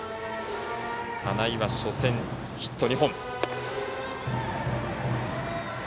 金井は初戦、ヒット２本。